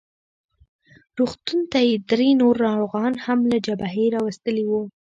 روغتون ته یې درې نور ناروغان هم له جبهې راوستلي وو.